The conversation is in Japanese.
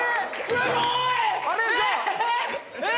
すごい！え